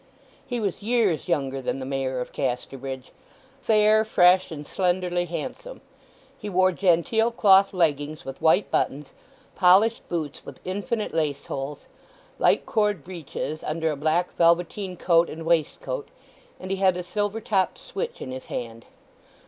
He was years younger than the Mayor of Casterbridge; fair, fresh, and slenderly handsome. He wore genteel cloth leggings with white buttons, polished boots with infinite lace holes, light cord breeches under a black velveteen coat and waistcoat; and he had a silver topped switch in his hand.